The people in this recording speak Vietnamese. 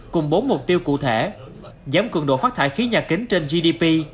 cùng bốn mục tiêu cụ thể giảm cường độ phát thải khí nhà kính trên gdp